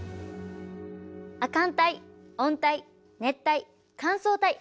亜寒帯温帯熱帯乾燥帯。